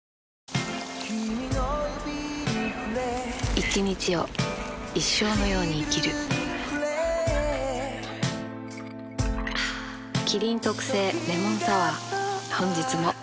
一日を一生のように生きる麒麟特製レモンサワー